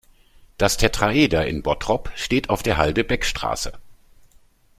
Das Tetraeder in Bottrop steht auf der Halde Beckstraße.